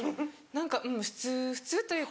何かうん普通普通というか。